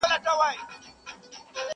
o چي خداى ئې در کوي، بټل ئې يار دئ!